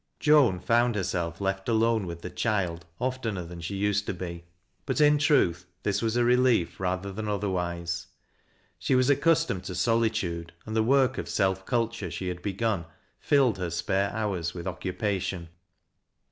Joan found herself left alone with the child oftener than she used to be, but in truth this was a relief rather than otherwise. She was accustomed to solitude, and the work of self culture she had begun filled her spare houra with occupation.